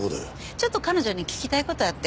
ちょっと彼女に聞きたい事あって。